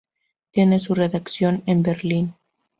Tiene su redacción en Berlín.